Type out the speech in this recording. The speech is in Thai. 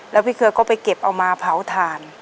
แล้วพี่เครือก็ไปเก็บเอามาเผาถ่าน